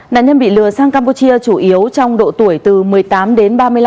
nạn nhân bị lừa sang campuchia chủ yếu trong độ tuổi từ một mươi tám đến ba mươi năm